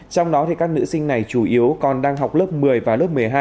trong đó các nữ sinh này chủ yếu còn đang học lớp một mươi và lớp một mươi hai